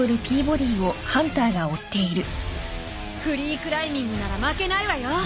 フリークライミングなら負けないわよ！